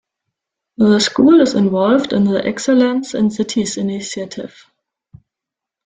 The school is involved in the "Excellence in Cities" initiative.